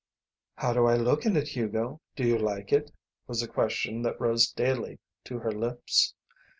"How do I look in it, Hugo? Do you like it?" was a question that rose daily to her lips.